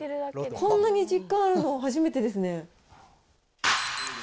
こんなに実感あるの初めてですね。